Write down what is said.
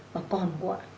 và còn gọi